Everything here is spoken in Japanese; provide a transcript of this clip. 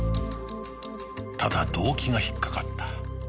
ただ動機が引っかかった